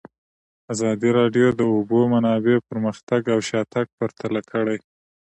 ازادي راډیو د د اوبو منابع پرمختګ او شاتګ پرتله کړی.